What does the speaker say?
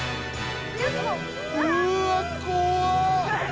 うわ怖っ！